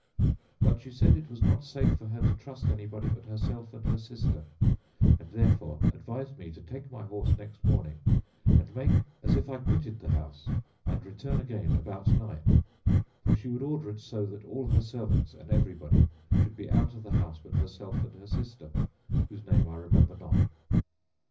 But she said it was not safe for her to trust anybody but herself and her sister, and therefore advised me to take my horse next morning and make as if I quitted the house, and return again about night; for she would order it so that all her servants and everybody should be out of the house but herself and her sister, whose name I remember not.